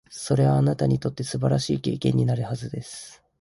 それは、あなたにとって素晴らしい経験になるはずです。